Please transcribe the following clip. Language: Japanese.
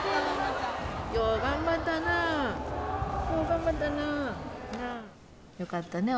頑張ったね。